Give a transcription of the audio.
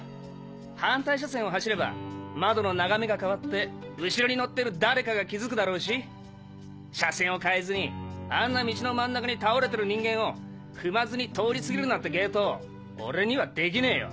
反対車線を走れば窓の眺めが変わって後ろに乗ってる誰かが気づくだろうし車線を変えずにあんな道の真ん中に倒れてる人間を踏まずに通り過ぎるなんて芸当俺にはできねえよ！